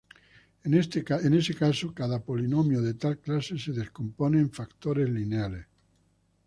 En ese caso, cada polinomio de tal clase se descompone en factores lineales.